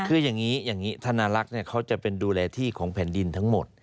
คืออย่างนี้อย่างนี้ธนาลักษณ์เขาจะเป็นดูแลที่ของแผ่นดินทั้งหมด